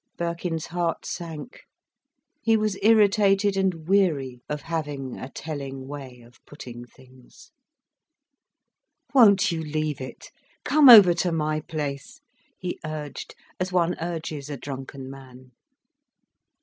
Birkin's heart sank. He was irritated and weary of having a telling way of putting things. "Won't you leave it? Come over to my place"—he urged as one urges a drunken man.